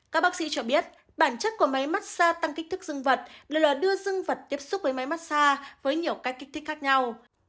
các bác sĩ cho biết bản chất của máy mát xa tăng kích thước dương vật là đưa dương vật tiếp xúc với máy mát xa với nhiều cách kích thích khác nhau